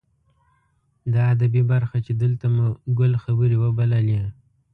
دا ادبي برخه چې دلته مو ګل خبرې وبللې.